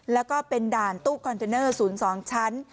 แล้วก็เป็นด่านตู้คอนเทนเนอร์๐๒ชั้น